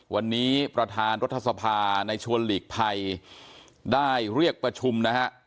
วันนี้ประธานรัฐสภาในชวนหลีกภัยได้เรียกประชุมนะฮะ